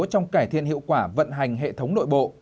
trong cải thiện hiệu quả vận hành hệ thống nội bộ